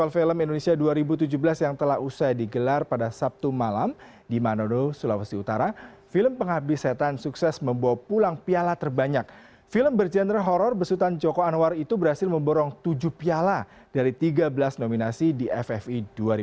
film bergenre horror besutan joko anwar itu berhasil memborong tujuh piala dari tiga belas nominasi di ffi dua ribu tujuh belas